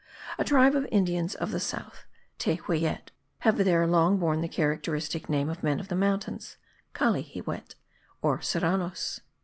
A tribe of Indians of the south (Tehuellet) have there long borne the characteristic name of men of the mountains (Callilehet) or Serranos.